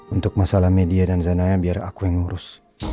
untuk masalah media dan zanaya biar aku yang urus